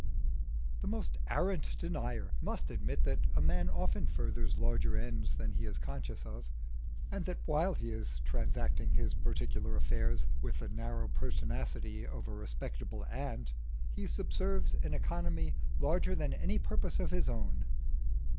The most arrant denier must admit that a man often furthers larger ends than he is conscious of, and that while he is transacting his particular affairs with the narrow pertinacity of a respectable ant, he subserves an economy larger than any purpose of his own.